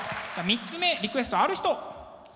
じゃあ３つ目リクエストある人！